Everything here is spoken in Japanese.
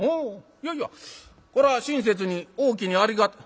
いやいやこれは親切におおきにありが。